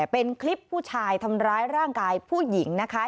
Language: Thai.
เป็นคลิปผู้ชายทำร้ายร่างกายผู้หญิงนะคะ